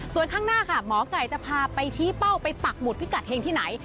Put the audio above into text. ส่วนข้างหน้าค่ะหมอไก่จะพาไปชี้เป้าไปปักหมุดพิกัดเฮงที่ไหน